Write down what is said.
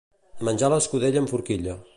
Menjar l'escudella amb forquilla.